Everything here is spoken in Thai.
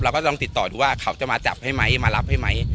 ก็ต้องติดต่อดูว่าเขาจะมาจับให้ไหมมารับให้ไหม